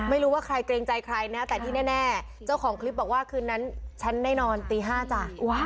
ไม่รู้ว่าใครเกรงใจใครนะแต่ที่แน่เจ้าของคลิปบอกว่าคืนนั้นฉันได้นอนตี๕จ้ะ